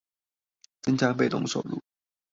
增加被動收入